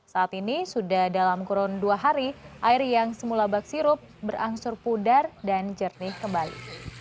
saat ini sudah dalam kurun dua hari air yang semula bak sirup berangsur pudar dan jernih kembali